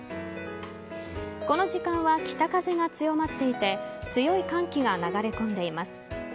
この時間は北風が強まっていて強い寒気が流れ込んでいます。